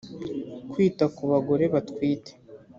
kwita ku bagore batwite